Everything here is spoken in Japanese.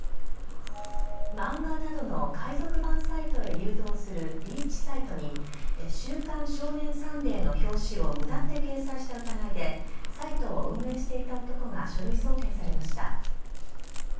漫画などの海賊版サイトへ誘導するリーチサイトに「週刊少年サンデー」の表紙を無断で掲載した疑いでサイトを運営していた男が書類送検されました。